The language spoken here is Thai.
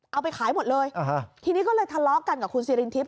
เอาไปขายหมดเลยทีนี้ก็เลยทะเลาะกันกับคุณสิรินทิพ